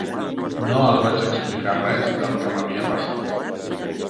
No els vaig explicar res del que m’havia passat.